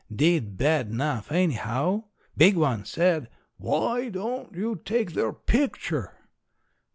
Did bad enough, anyhow. Big one said, "Why don't you take their picture?"